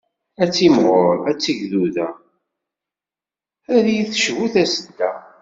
Ad timɣur, ad tegduda, ad iyi-tecbu tasedda.